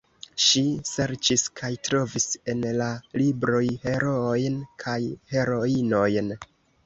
Ŝi serĉis kaj trovis en la libroj heroojn kaj heroinojn.